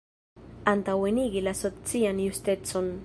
Antaŭenigi la socian justecon.